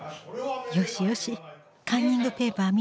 よしよしカンニングペーパー